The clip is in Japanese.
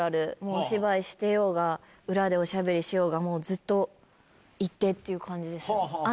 お芝居してようが裏でおしゃべりしようがもうずっと一定っていう感じです。